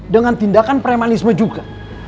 dengan tindakan premanisme juga